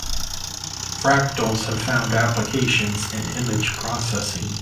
Fractals have found applications in image processing.